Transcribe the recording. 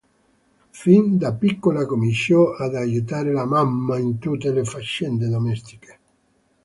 Fin da piccola cominciò ad aiutare la mamma in tutte le faccende domestiche.